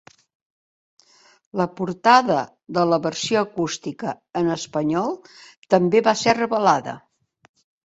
La portada de la versió acústica en espanyol també va ser revelada.